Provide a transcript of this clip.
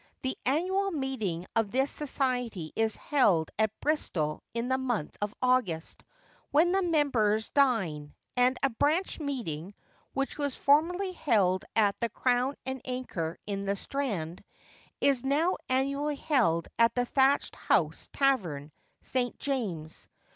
The annual meeting of this Society is held at Bristol in the month of August, when the members dine, and a branch meeting, which was formerly held at the Crown and Anchor in the Strand, is now annually held at the Thatched House Tavern, St. James's.